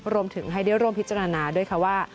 รวมถึงให้ได้ร่วมพิจารณาด้วยค่ะว่า